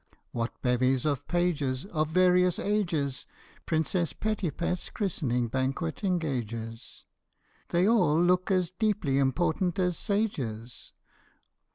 What bevies of pages Of various ages Princess Prettipet's christening banquet engages ! They all look as deeply important as sages.